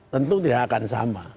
tentu tidak akan sama